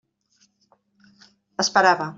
Esperava.